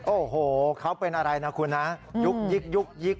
โอ้โหเขาเป็นอะไรนะคุณนะยุกยิกยุกยิก